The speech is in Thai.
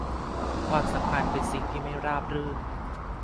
ความสัมพันธ์เป็นสิ่งที่ไม่ราบรื่น